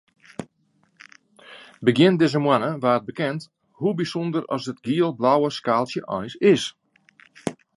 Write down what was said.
Begjin dizze moanne waard bekend hoe bysûnder as it giel-blauwe skaaltsje eins is.